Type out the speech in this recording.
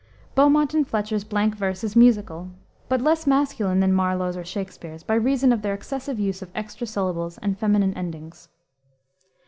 Beaumont and Fletcher's blank verse is musical, but less masculine than Marlowe's or Shakspere's, by reason of their excessive use of extra syllables and feminine endings.